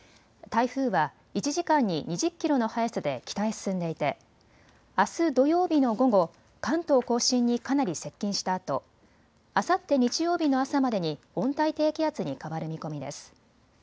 台風は１時間に２０キロの速さで北へ進んでいてあす土曜日の午後、関東甲信にかなり接近したあとあさって日曜日の朝までに温帯低気圧に変わる見込みです。